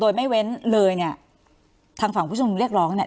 โดยไม่เว้นเลยเนี่ยทางฝั่งผู้ชมนุมเรียกร้องเนี่ย